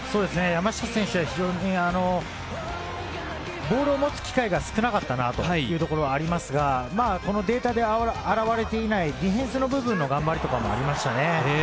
山下選手はボールを持つ機会が少なかったなというところはありますが、データで現れていない、ディフェンスの部分の頑張りとかもありましたね。